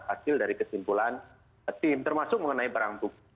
hasil dari kesimpulan tim termasuk mengenai barang bukti